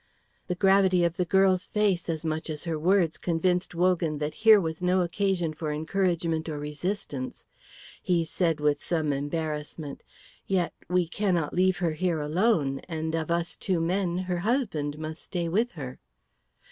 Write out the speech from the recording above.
The gravity of the girl's face, as much as her words, convinced Wogan that here was no occasion for encouragement or resistance. He said with some embarrassment, "Yet we cannot leave her here alone; and of us two men, her husband must stay with her."